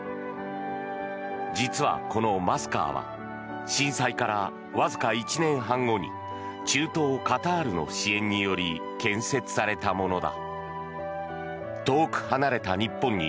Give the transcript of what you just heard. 実は、このマスカーは震災からわずか１年半後に中東カタールの支援により建設されたものだ。